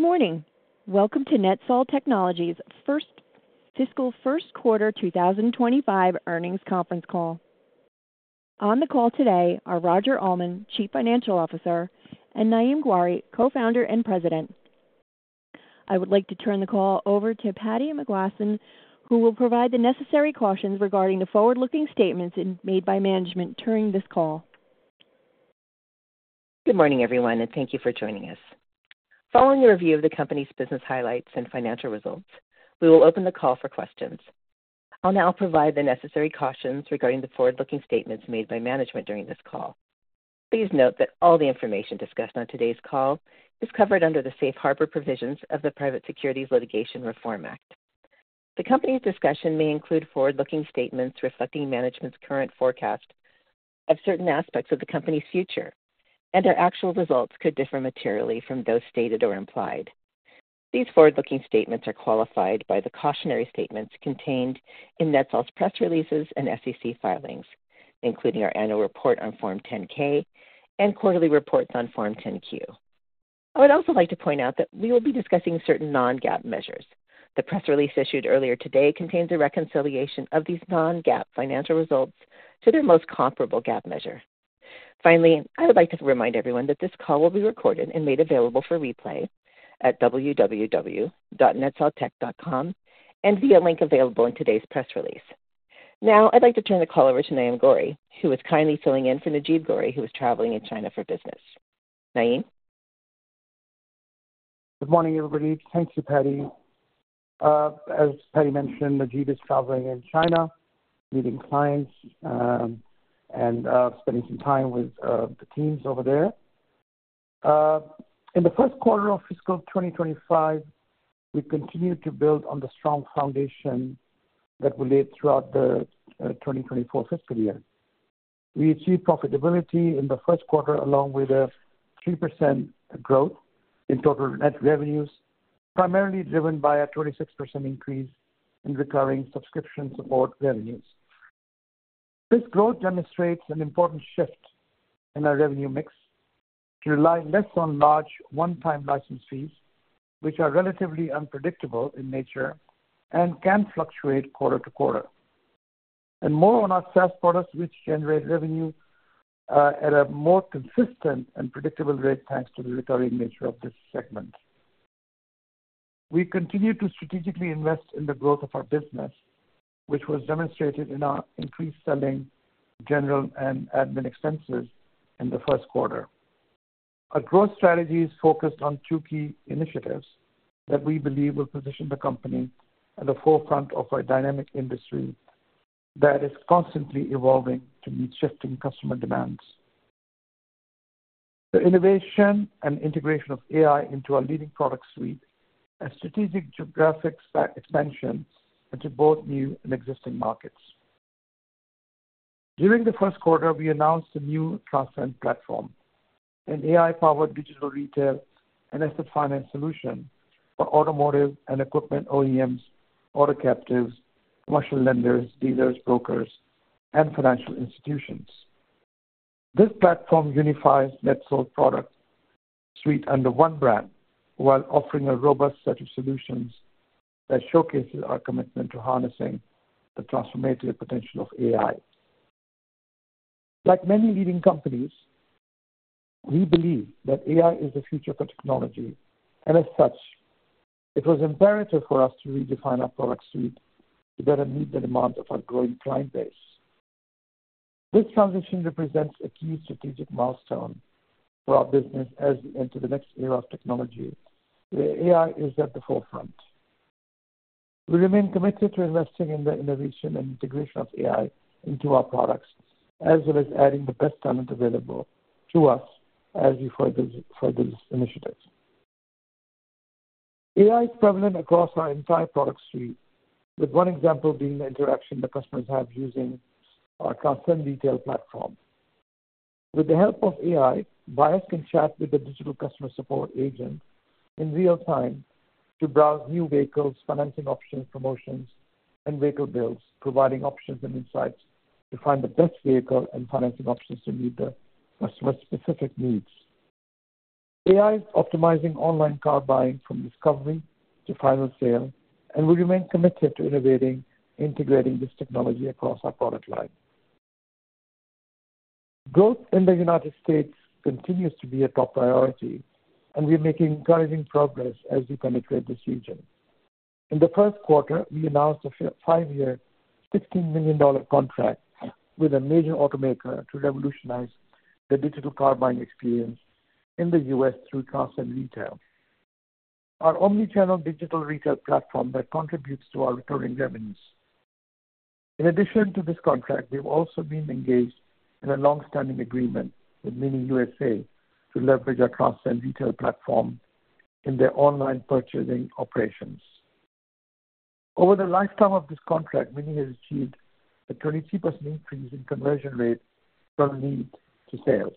Good morning. Welcome to NetSol Technologies' fiscal first quarter 2025 earnings conference call. On the call today are Roger Almond, Chief Financial Officer, and Naeem Ghauri, Co-Founder and President. I would like to turn the call over to Patti McGlasson, who will provide the necessary cautions regarding the forward-looking statements made by management during this call. Good morning, everyone, and thank you for joining us. Following a review of the company's business highlights and financial results, we will open the call for questions. I'll now provide the necessary cautions regarding the forward-looking statements made by management during this call. Please note that all the information discussed on today's call is covered under the safe harbor provisions of the Private Securities Litigation Reform Act. The company's discussion may include forward-looking statements reflecting management's current forecast of certain aspects of the company's future, and their actual results could differ materially from those stated or implied. These forward-looking statements are qualified by the cautionary statements contained in NetSol's press releases and SEC filings, including our annual report on Form 10-K and quarterly reports on Form 10-Q. I would also like to point out that we will be discussing certain Non-GAAP measures. The press release issued earlier today contains a reconciliation of these non-GAAP financial results to their most comparable GAAP measure. Finally, I would like to remind everyone that this call will be recorded and made available for replay at www.netsoltech.com and via a link available in today's press release. Now, I'd like to turn the call over to Naeem Ghauri, who is kindly filling in for Najeeb Ghauri, who is traveling in China for business. Naeem? Good morning, everybody. Thank you, Patti. As Patti mentioned, Najeeb is traveling in China, meeting clients, and spending some time with the teams over there. In the first quarter of fiscal 2025, we continue to build on the strong foundation that we laid throughout the 2024 fiscal year. We achieved profitability in the first quarter, along with a 3% growth in total net revenues, primarily driven by a 26% increase in recurring subscription support revenues. This growth demonstrates an important shift in our revenue mix to rely less on large one-time license fees, which are relatively unpredictable in nature and can fluctuate quarter to quarter, and more on our SaaS products, which generate revenue at a more consistent and predictable rate thanks to the recurring nature of this segment. We continue to strategically invest in the growth of our business, which was demonstrated in our increased selling, general, and admin expenses in the first quarter. Our growth strategy is focused on two key initiatives that we believe will position the company at the forefront of a dynamic industry that is constantly evolving to meet shifting customer demands: The innovation and integration of AI into our leading product suite and strategic geographic expansion into both new and existing markets. During the first quarter, we announced a new Transcend platform, an AI-powered digital retail and asset finance solution for automotive and equipment OEMs, auto captives, commercial lenders, dealers, brokers, and financial institutions. This platform unifies NetSol's product suite under one brand while offering a robust set of solutions that showcases our commitment to harnessing the transformative potential of AI. Like many leading companies, we believe that AI is the future for technology, and as such, it was imperative for us to redefine our product suite to better meet the demands of our growing client base. This transition represents a key strategic milestone for our business as we enter the next era of technology where AI is at the forefront. We remain committed to investing in the innovation and integration of AI into our products, as well as adding the best talent available to us as we further this initiative. AI is prevalent across our entire product suite, with one example being the interaction the customers have using our Transcend Retail platform. With the help of AI, buyers can chat with the digital customer support agent in real time to browse new vehicles, financing options, promotions, and vehicle builds, providing options and insights to find the best vehicle and financing options to meet the customer's specific needs. AI is optimizing online car buying from discovery to final sale, and we remain committed to innovating and integrating this technology across our product line. Growth in the United States continues to be a top priority, and we are making encouraging progress as we penetrate this region. In the first quarter, we announced a five-year, $16 million contract with a major automaker to revolutionize the digital car buying experience in the U.S. through Transcend Retail, our omnichannel digital retail platform that contributes to our recurring revenues. In addition to this contract, we have also been engaged in a longstanding agreement with MINI USA to leverage our Transcend Retail platform in their online purchasing operations. Over the lifetime of this contract, MINI has achieved a 23% increase in conversion rate from lead to sales.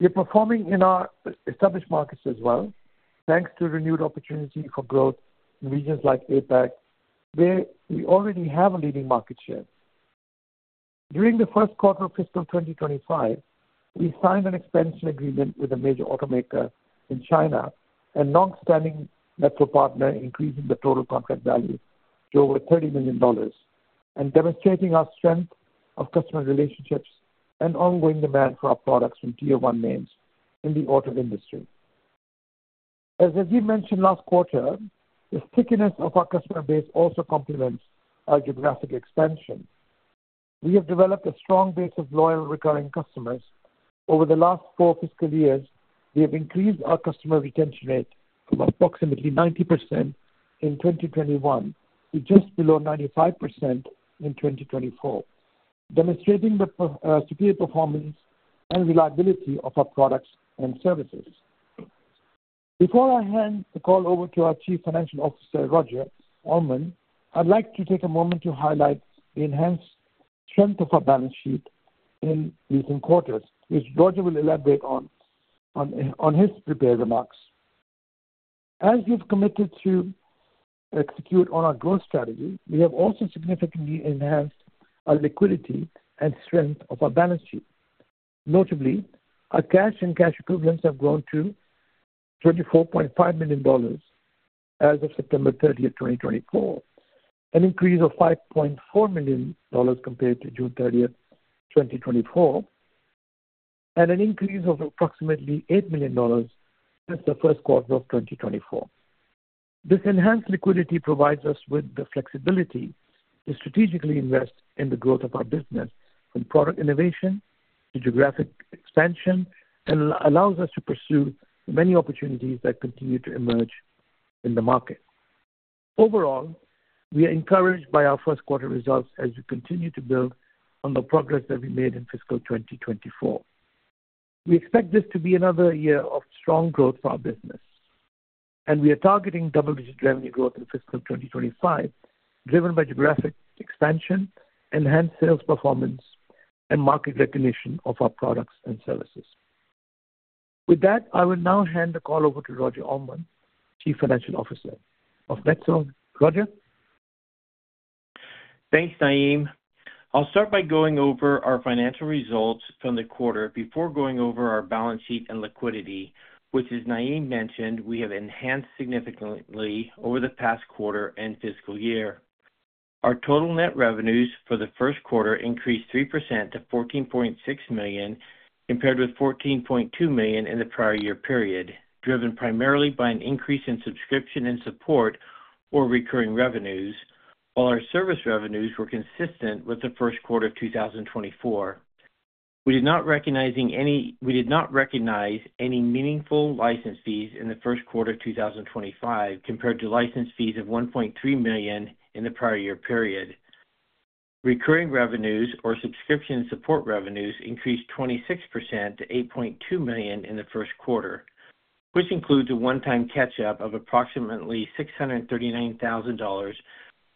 We are performing in our established markets as well, thanks to renewed opportunity for growth in regions like APAC, where we already have a leading market share. During the first quarter of fiscal 2025, we signed an expansion agreement with a major automaker in China and a longstanding OEM partner, increasing the total contract value to over $30 million and demonstrating our strength of customer relationships and ongoing demand for our products from Tier 1 names in the auto industry. As Najeeb mentioned last quarter, the stickiness of our customer base also complements our geographic expansion. We have developed a strong base of loyal recurring customers. Over the last four fiscal years, we have increased our customer retention rate from approximately 90% in 2021 to just below 95% in 2024, demonstrating the superior performance and reliability of our products and services. Before I hand the call over to our Chief Financial Officer, Roger Almond, I'd like to take a moment to highlight the enhanced strength of our balance sheet in recent quarters, which Roger will elaborate on his prepared remarks. As we've committed to execute on our growth strategy, we have also significantly enhanced our liquidity and strength of our balance sheet. Notably, our cash and cash equivalents have grown to $24.5 million as of September 30, 2024, an increase of $5.4 million compared to June 30, 2024, and an increase of approximately $8 million since the first quarter of 2024. This enhanced liquidity provides us with the flexibility to strategically invest in the growth of our business from product innovation to geographic expansion and allows us to pursue many opportunities that continue to emerge in the market. Overall, we are encouraged by our first quarter results as we continue to build on the progress that we made in fiscal 2024. We expect this to be another year of strong growth for our business, and we are targeting double-digit revenue growth in fiscal 2025, driven by geographic expansion, enhanced sales performance, and market recognition of our products and services. With that, I will now hand the call over to Roger Almond, Chief Financial Officer of NetSol. Roger. Thanks, Naeem. I'll start by going over our financial results from the quarter before going over our balance sheet and liquidity, which, as Naeem mentioned, we have enhanced significantly over the past quarter and fiscal year. Our total net revenues for the first quarter increased 3% to $14.6 million, compared with $14.2 million in the prior year period, driven primarily by an increase in subscription and support or recurring revenues, while our service revenues were consistent with the first quarter of 2024. We did not recognize any meaningful license fees in the first quarter of 2025, compared to license fees of $1.3 million in the prior year period. Recurring revenues or subscription support revenues increased 26% to $8.2 million in the first quarter, which includes a one-time catch-up of approximately $639,000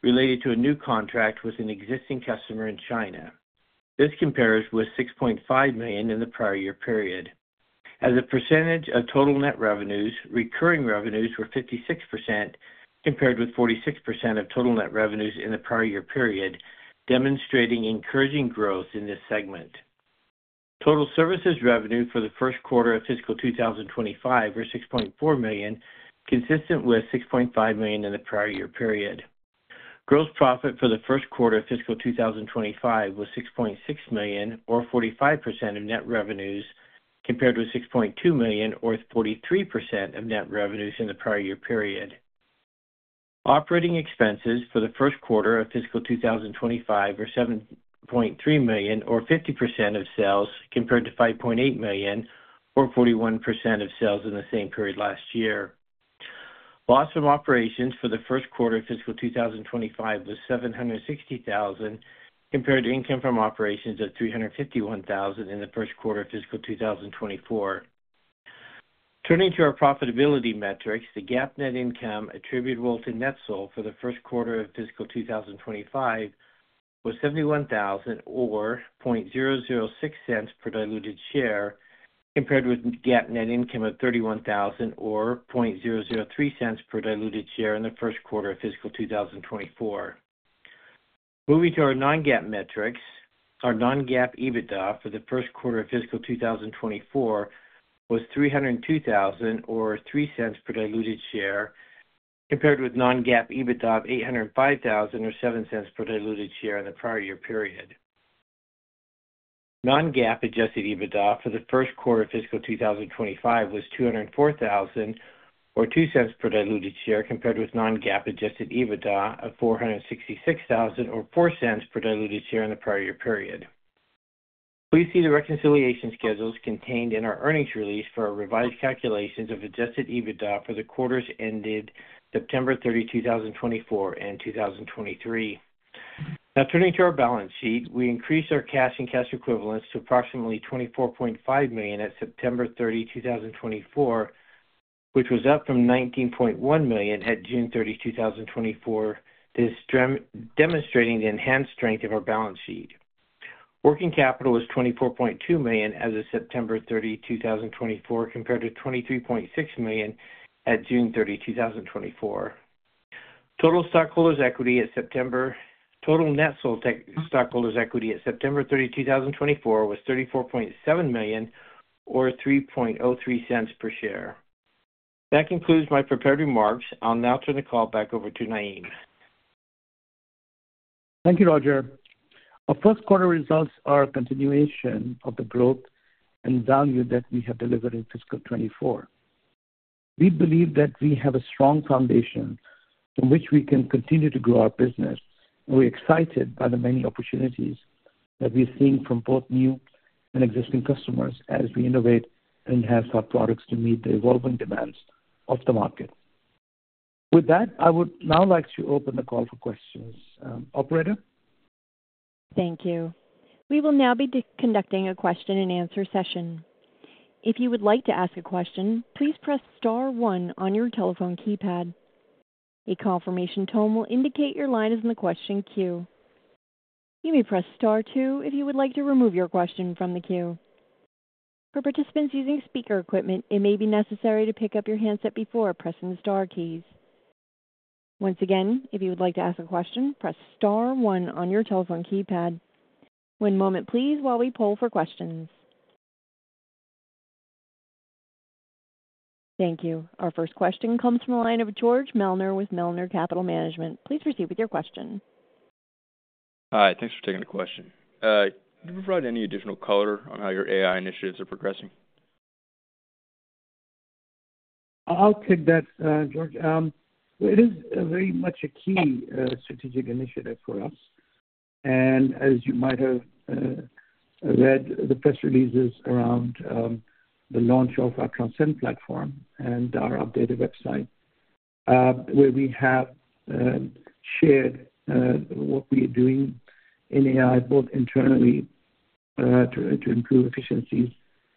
related to a new contract with an existing customer in China. This compares with $6.5 million in the prior year period. As a percentage of total net revenues, recurring revenues were 56%, compared with 46% of total net revenues in the prior year period, demonstrating encouraging growth in this segment. Total services revenue for the first quarter of fiscal 2025 was $6.4 million, consistent with $6.5 million in the prior year period. Gross profit for the first quarter of fiscal 2025 was $6.6 million, or 45% of net revenues, compared with $6.2 million, or 43% of net revenues in the prior year period. Operating expenses for the first quarter of fiscal 2025 were $7.3 million, or 50% of sales, compared to $5.8 million, or 41% of sales in the same period last year. Loss from operations for the first quarter of fiscal 2025 was $760,000, compared to income from operations of $351,000 in the first quarter of fiscal 2024. Turning to our profitability metrics, the GAAP net income attributable to NetSol for the first quarter of fiscal 2025 was $71,000 or $0.06 per diluted share, compared with GAAP net income of $31,000 or $0.03 per diluted share in the first quarter of fiscal 2024. Moving to our non-GAAP metrics, our non-GAAP EBITDA for the first quarter of fiscal 2024 was $302,000 or $0.03 per diluted share, compared with non-GAAP EBITDA of $805,000 or $0.07 per diluted share in the prior year period. Non-GAAP adjusted EBITDA for the first quarter of fiscal 2025 was $204,000 or $0.02 per diluted share, compared with non-GAAP adjusted EBITDA of $466,000 or $0.04 per diluted share in the prior year period. Please see the reconciliation schedules contained in our earnings release for our revised calculations of adjusted EBITDA for the quarters ended September 30, 2024, and 2023. Now, turning to our balance sheet, we increased our cash and cash equivalents to approximately $24.5 million at September 30, 2024, which was up from $19.1 million at June 30, 2024. This demonstrating the enhanced strength of our balance sheet. Working capital was $24.2 million as of September 30, 2024, compared to $23.6 million at June 30, 2024. Total NetSol stockholders' equity at September 30, 2024, was $34.7 million or $0.03 per share. That concludes my prepared remarks. I'll now turn the call back over to Naeem. Thank you, Roger. Our first quarter results are a continuation of the growth and value that we have delivered in fiscal 2024. We believe that we have a strong foundation from which we can continue to grow our business, and we're excited by the many opportunities that we are seeing from both new and existing customers as we innovate and enhance our products to meet the evolving demands of the market. With that, I would now like to open the call for questions. Operator. Thank you. We will now be conducting a question-and-answer session. If you would like to ask a question, please press star one on your telephone keypad. A confirmation tone will indicate your line is in the question queue. You may press star two if you would like to remove your question from the queue. For participants using speaker equipment, it may be necessary to pick up your handset before pressing the star keys. Once again, if you would like to ask a question, press star one on your telephone keypad. One moment, please, while we poll for questions. Thank you. Our first question comes from a line of George Melner with Melner Capital Management. Please proceed with your question. Hi. Thanks for taking the question. Could you provide any additional color on how your AI initiatives are progressing? I'll take that, George. It is very much a key strategic initiative for us. And as you might have read, the press release is around the launch of our Transcend platform and our updated website, where we have shared what we are doing in AI, both internally to improve efficiencies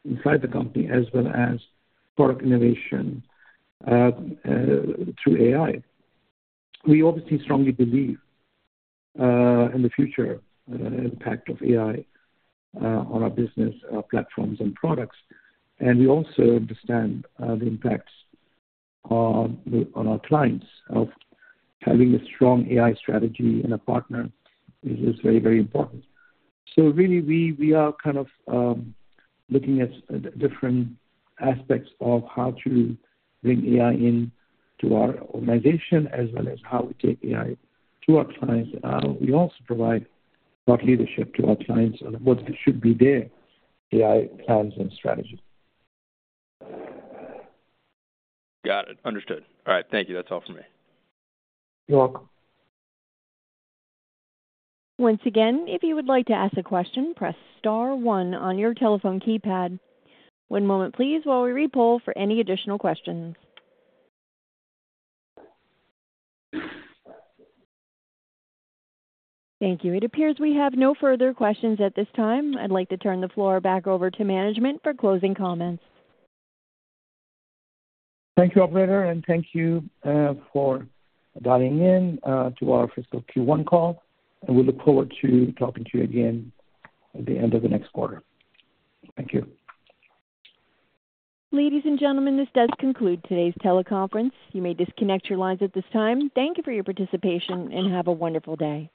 inside the company, as well as product innovation through AI. We obviously strongly believe in the future impact of AI on our business, our platforms, and products. And we also understand the impacts on our clients. Having a strong AI strategy and a partner is very, very important. So really, we are kind of looking at different aspects of how to bring AI into our organization, as well as how we take AI to our clients. We also provide thought leadership to our clients on what should be their AI plans and strategies. Got it. Understood. All right. Thank you. That's all for me. You're welcome. Once again, if you would like to ask a question, press star one on your telephone keypad. One moment, please, while we repoll for any additional questions. Thank you. It appears we have no further questions at this time. I'd like to turn the floor back over to management for closing comments. Thank you, Operator, and thank you for dialing in to our fiscal Q1 call, and we look forward to talking to you again at the end of the next quarter. Thank you. Ladies and gentlemen, this does conclude today's teleconference. You may disconnect your lines at this time. Thank you for your participation and have a wonderful day.